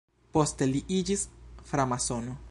Poste li iĝis framasono.